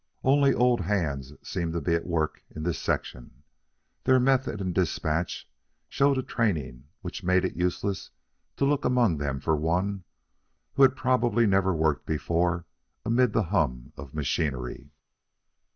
Only old hands seemed to be at work in this section. Their method and despatch showed a training which made it useless to look among them for one who had probably never worked before amid the hum of machinery.